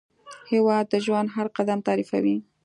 هېواد د ژوند هر قدم تعریفوي.